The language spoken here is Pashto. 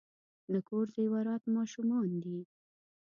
د کور زیورات ماشومان دي .